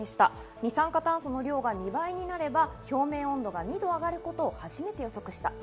二酸化炭素の量が２倍になれば表面温度が２度上がることを初めて予測した。